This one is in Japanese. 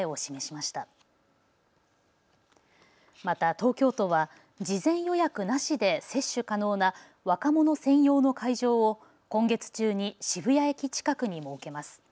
また東京都は事前予約なしで接種可能な若者専用の会場を今月中に渋谷駅近くに設けます。